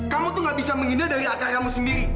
kamu tuh gak bisa menghindar dari kakak kamu sendiri